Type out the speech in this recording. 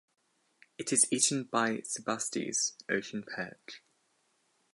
It is eaten by "Sebastes" (ocean perch).